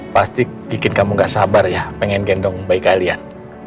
pasti bikin kamu gak sabar ya pengen gendong bayi kalian